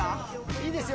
いいですよ